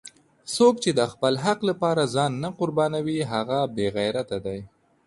څوک چې د خپل حق لپاره ځان نه قربانوي هغه بېغیرته دی!